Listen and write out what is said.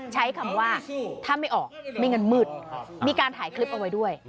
ใช้คำว่าถ้าไม่ออกไม่งั้นมืดมีการถ่ายคลิปเอาไว้ด้วย